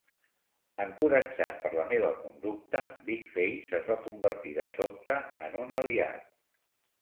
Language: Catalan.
Encoratjat per la meva conducta, Big-Face es va convertir de sobte en un aliat.